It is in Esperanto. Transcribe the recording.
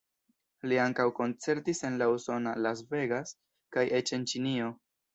Li ankaŭ koncertis en la usona Las Vegas kaj eĉ en Ĉinio.